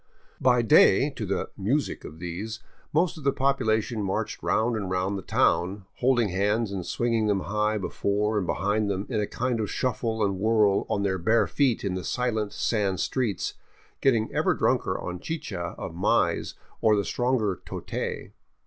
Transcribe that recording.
By day, to the " music " of these, most of the population marched round and round the town, holding hands and swinging them high before and behind them in a kind of shuffle and whirl on their bare feet in the silent sand streets, getting ever drunker on chicha of maize or the stronger totay.